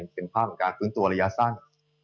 เป็นภาพการคืนตัวระยะสร้าง